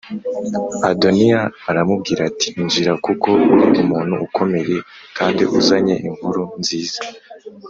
Adoniya aramubwira ati “Injira kuko uri umuntu ukomeye kandi uzanye inkuru nziza.”